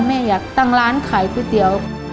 แม่อยากตั้งร้านขายก๋วยเตี๋ยว